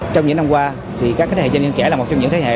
trong những năm qua các thế hệ doanh nhân trẻ là một trong những thế hệ